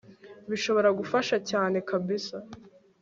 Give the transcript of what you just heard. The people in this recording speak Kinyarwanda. bishobora gufasha cyane kabisa